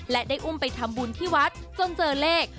และได้อุ้มไปทำบุญที่วัดจนเจอเลข